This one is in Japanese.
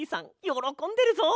よろこんでるぞ。